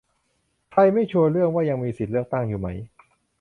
ใครไม่ชัวร์เรื่องว่ายังมีสิทธิ์เลือกตั้งอยู่ไหม